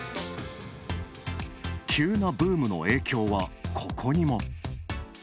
急なブームの影響はここにも。